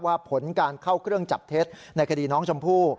ผลการเข้าเครื่องจับเท็จในคดีน้องชมพู่